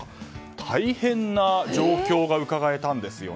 大変な状況が伺えたんです。